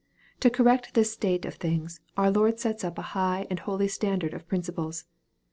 To cor rect this state of things, our Lord sets up a high and holy standard of principles.